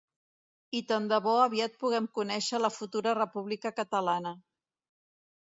I tant de bo aviat puguem conèixer la futura república catalana.